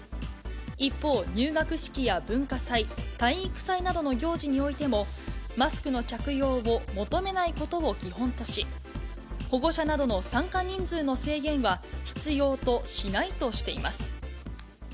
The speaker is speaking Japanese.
一方、入学式や文化祭、体育祭などの行事においても、マスクの着用を求めないことを基本とし、保護者などの参加人数の制限は必要としないとしています。